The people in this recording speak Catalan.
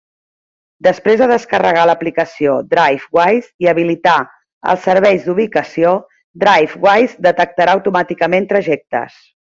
Després de descarregar l'aplicació Drivewise i habilitar els serveis d'ubicació, Drivewise detectarà automàticament trajectes.